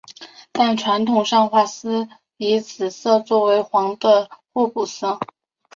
但传统上画师以紫色作为黄的互补色。